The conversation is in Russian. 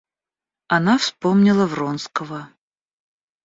Она вспомнила Вронского.